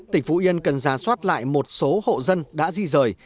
tỉnh phú yên cần ra soát lại một số hộ dân đã di rời